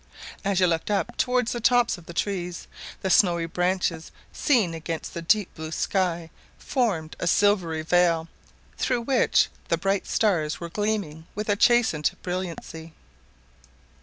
As you looked up towards the tops of the trees the snowy branches seen against the deep blue sky formed a silvery veil, through which the bright stars were gleaming with a chastened brilliancy.